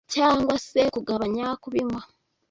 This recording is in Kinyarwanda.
cyangwa se kugabanya kubinywa